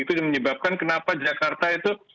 itu yang menyebabkan kenapa jakarta itu